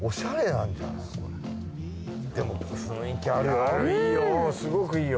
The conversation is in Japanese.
でも雰囲気あるよ。